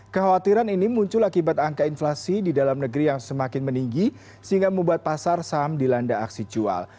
kekhawatiran ini muncul akibat angka inflasi di dalam negeri yang semakin meninggi sehingga membuat pasar saham dilanda aksi jual